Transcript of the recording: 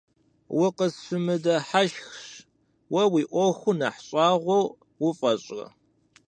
Укъысщымыдыхьашх, уэ уи ӏуэхур нэхъ щӏагъуэ уфӏэщӏрэ?